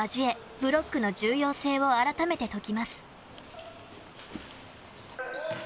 ブロックの重要性をあらためてときます。